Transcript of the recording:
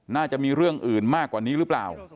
น่าจะมีเรื่องอื่นมากกว่านี้หรือเปล่า